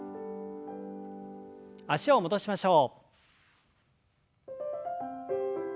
脚を戻しましょう。